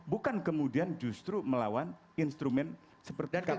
bukan kemudian justru melawan instrumen seperti kpk ini